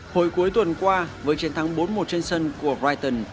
hồi cuối tuần qua với chiến thắng bốn một trên sân của brighton